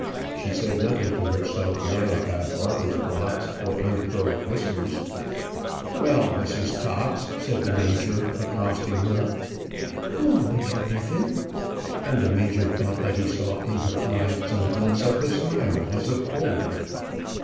She said nothing to herself now about barber's blocks or uncurled whiskers. "Well, Mrs. Cox," said the major, accosting her. "Well, Major Biffin;" and the major thought that he saw in her eye some glimpse of the smile as of old.